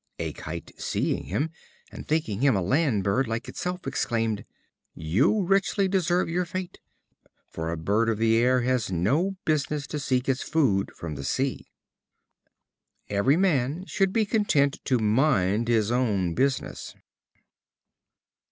A Kite, seeing him, and thinking him a land bird like itself, exclaimed: "You richly deserve your fate; for a bird of the air has no business to seek its food from the sea." Every man should be content to mind his own business.